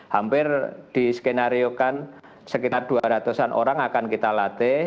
hampir diskenariokan sekitar dua ratus an orang akan kita latih